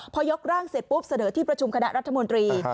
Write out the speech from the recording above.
พอยกร่างเสร็จปุ๊บเสนอที่ประชุมคณะรัฐมนตรี